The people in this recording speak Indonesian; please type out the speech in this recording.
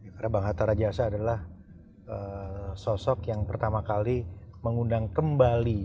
karena bang hatta rajasa adalah sosok yang pertama kali mengundang kembali